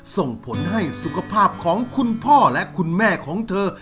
ส่งผลให้สุขภาพของคุณพ่อและคุณแม่ของเธอ